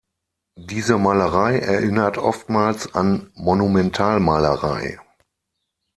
Diese Malerei erinnert oftmals an Monumentalmalerei.